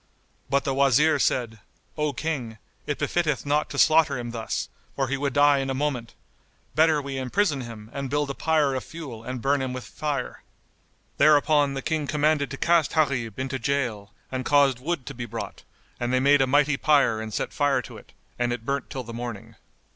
But the Wazir said, "O King, it befitteth not to slaughter him thus, for he would die in a moment: better we imprison him and build a pyre of fuel and burn him with fire." Thereupon the King commanded to cast Gharib into gaol and caused wood to be brought, and they made a mighty pyre and set fire to it, and it burnt till the morning.